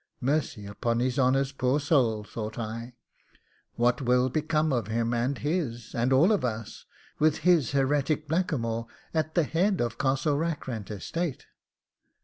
Mercy upon his honour's poor soul, thought I; what will become of him and his, and all of us, with his heretic blackamoor at the head of the Castle Rackrent estate?